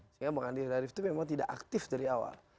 sehingga bang andi arief itu memang tidak aktif dari awal